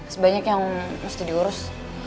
sebanyak yang mesti diurus